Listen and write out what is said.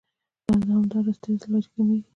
دا د دوامداره سټرېس له وجې کميږي